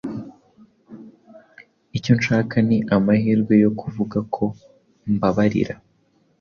Icyo nshaka ni amahirwe yo kuvuga ko mbabarira.